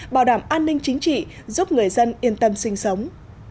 bảo đảm an ninh chính trị giúp người dân yên tâm sinh sống